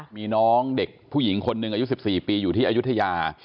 มีน้องเด็กผู้หญิงคนหนึ่งอายุ๑๔ปีอยู่ที่อายุทยา